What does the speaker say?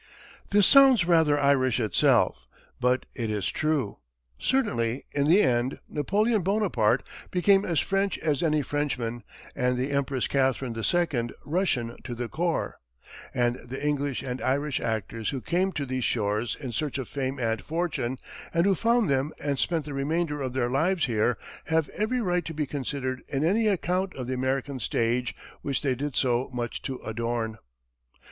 This sounds rather Irish itself; but it is true. Certainly, in the end Napoleon Bonaparte became as French as any Frenchman and the Empress Catherine II Russian to the core; and the English and Irish actors who came to these shores in search of fame and fortune, and who found them and spent the remainder of their lives here, have every right to be considered in any account of the American stage which they did so much to adorn.